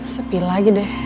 sepi lagi deh